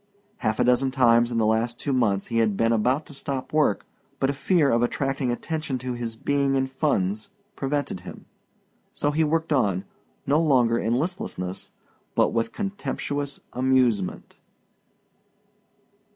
Half a dozen times in the last two months he had been about to stop work, but a fear of attracting attention to his being in funds prevented him. So he worked on, no longer in listlessness, but with contemptuous amusement.